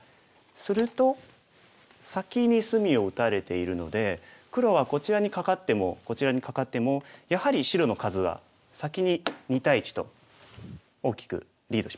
すると先に隅を打たれているので黒はこちらにカカってもこちらにカカってもやはり白の数は先に２対１と大きくリードします。